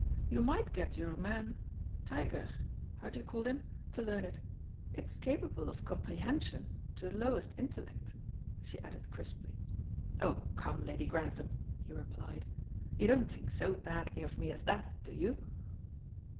"You might get your man tiger how do you call him? to learn it. It's capable of comprehension to the lowest intellect," she added crisply. "Oh, come, Lady Grantham," he replied, "you don't think so badly of me as that, do you?"